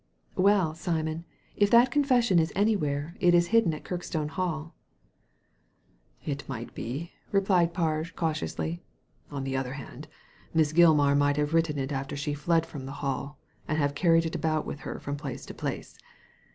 " Well, Simon, if that confession is anywhere, it is hidden at Kirkstone Hall." " It might be," replied Parge, cautiously. " On the other hand, Miss Gilmar might have written it after she fled from the Hall, and have carried it about with her from place to place.